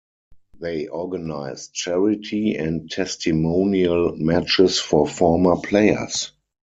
They organise charity and testimonial matches for former players.